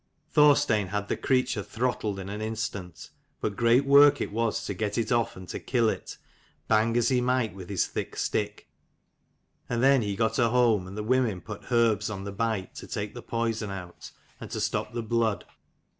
Thorstein had the creature throttled in an instant, but great work it was to get it off, and to kill it, bang as he might with his thick stick. And then he got her home, and the women put herbs on the bite to take the poison out, and to stop the blood.